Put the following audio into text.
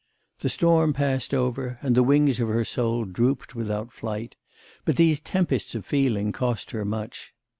The storm passed over, and the wings of her soul drooped without flight; but these tempests of feeling cost her much.